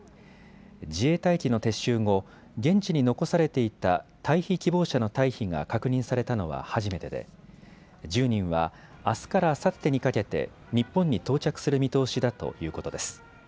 自衛隊機の撤収後、現地に残されていた退避希望者の退避が確認されたのは初めてで１０人は、あすからあさってにかけて日本に到着する見通しだということです。